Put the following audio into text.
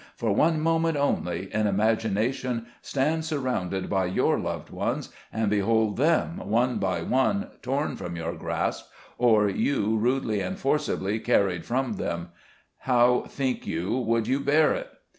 for one moment only, in imagination, stand surrounded by your loved ones, and behold them, one by one, torn from your grasp, or you rudely and forcibly carried from them — how, think you, would you bear it?